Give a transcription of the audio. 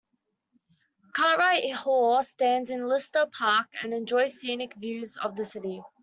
Cartwright Hall stands in Lister Park and enjoys scenic views of the city.